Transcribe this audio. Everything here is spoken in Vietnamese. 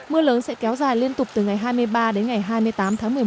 mưa lớn sẽ kéo dài liên tục từ ngày hai mươi ba đến ngày hai mươi tám tháng một mươi một